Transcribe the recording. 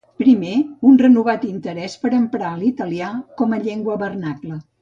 Primer, un renovat interès per emprar l’italià com a llengua vernacla.